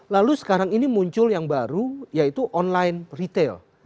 lalu sekarang ini muncul yang baru yaitu online retail